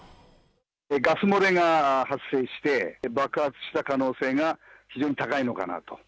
ガス漏れが発生して、爆発した可能性が非常に高いのかなと。